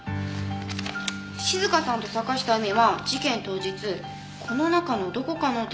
静香さんと坂下海は事件当日この中のどこかのお寺で会っていた。